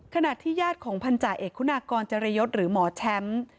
ขณะที่ญาติของพันธาเอกคุณากรเจริยศหรือหมอแชมป์